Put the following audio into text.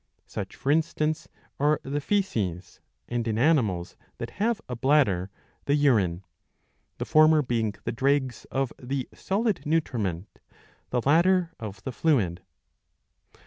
Such for instance are the faeces and, in animals that have a bladder, the urine ; the former being the dregs of the solid nutriment, the latter of the fluid.